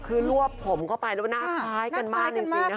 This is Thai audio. คือรวบผมเข้าไปแล้วหน้าคล้ายกันมาก